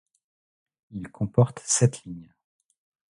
Il comporte sept lignes.